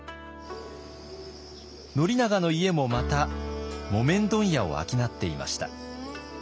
宣長の家もまた木綿問屋を商っていました。